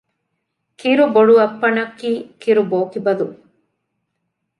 ކިރުބޮޑުއައްޕަނަކީ ކިރުބޯކިބަލު